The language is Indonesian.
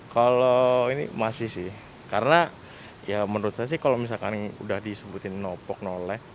kalau ini masih sih karena ya menurut saya sih kalau misalkan udah disebutin no pork no lard